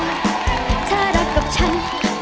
รักกับเขาสบายอะไรอย่างนั้น